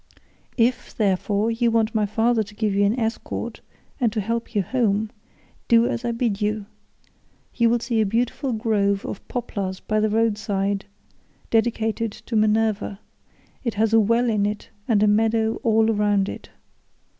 "If, therefore, you want my father to give you an escort and to help you home, do as I bid you; you will see a beautiful grove of poplars by the road side dedicated to Minerva; it has a well in it and a meadow all round it.